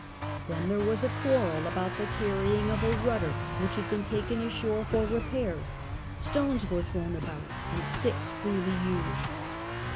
The& there was a 152 CAPTAIN COOK CHAP. quarrel about the carrying of a rudder which had been taken ashore for repairs. Stones were thrown about and sticks freely used.